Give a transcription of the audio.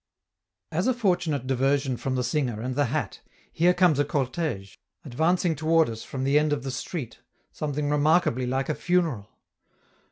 As a fortunate diversion from the singer and the hat, here comes a cortege, advancing toward us from the end of the street, something remarkably like a funeral.